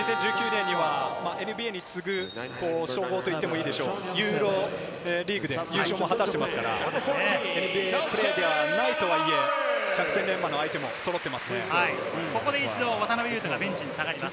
２０１９年にはＮＢＡに次ぐ称号といってもいいでしょう、ユーロリーグで優勝も果たしていますから、ＮＢＡプレーヤーではないとはいえ、百戦錬磨の選手もそろってい